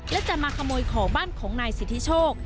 และจะมาขโมยของบ้านของนายสิทธิโชค